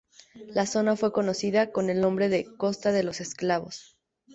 La zona fue conocida con el nombre de Costa de los Esclavos.